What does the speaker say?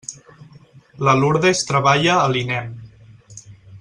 La Lurdes treballa a l'INEM.